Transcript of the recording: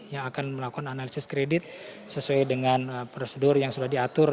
yang akan melakukan analisis kredit sesuai dengan prosedur yang sudah diatur